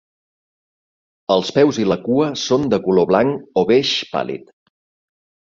Els peus i la cua són de color blanc o beix pàl·lid.